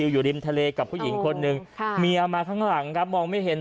อยู่ริมทะเลกับผู้หญิงคนหนึ่งเมียมาข้างหลังครับมองไม่เห็น